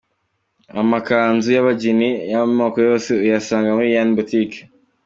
Amakanzu y'abageni y'amako yose uyasanga muri Ian Boutique.